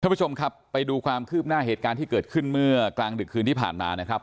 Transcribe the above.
ผู้ชมครับไปดูความคืบหน้าเหตุการณ์ที่เกิดขึ้นเมื่อกลางดึกคืนที่ผ่านมานะครับ